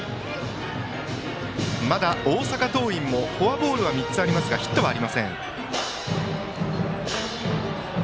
大阪桐蔭もフォアボールは３つありますがヒットはありません。